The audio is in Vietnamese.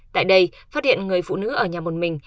tại đây phát hiện người phụ nữ ở nhà một mình